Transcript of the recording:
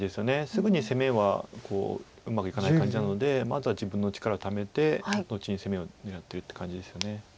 すぐに攻めはうまくいかない感じなのでまずは自分の力をためて後に攻めを狙ってるっていう感じですよね。